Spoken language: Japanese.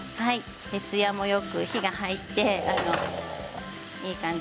ツヤもよく火が入っていい感じ。